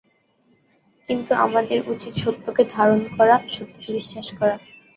কিন্তু আমাদের উচিত সত্যকে ধারণা করা, সত্য বিশ্বাস করা।